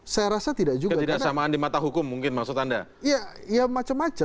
saya rasa tidak juga